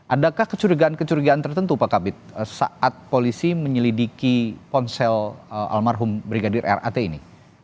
adakah kecurigaan kecurigaan tertentu pak kabit saat polisi menyelidiki ponsel almarhum brigadir rat ini